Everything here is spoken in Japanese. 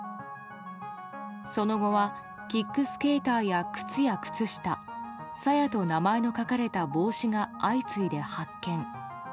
その後はキックスケーターや靴や靴下「さや」と名前の書かれた帽子が相次いで発見。